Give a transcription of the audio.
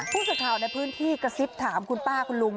ผู้สื่อข่าวในพื้นที่กระซิบถามคุณป้าคุณลุง